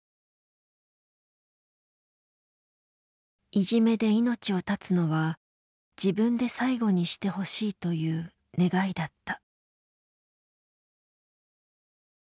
いじめで命を絶つのは自分で最後にしてほしいという願いだった。